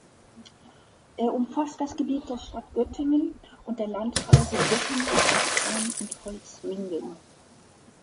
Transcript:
Er umfasst das Gebiet der Stadt Göttingen und der Landkreise Göttingen, Northeim und Holzminden.